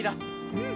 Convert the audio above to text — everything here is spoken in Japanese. うん！